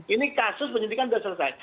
ini kasus penyidikan sudah selesai